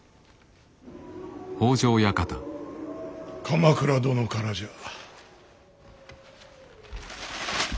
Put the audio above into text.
鎌倉殿からじゃ。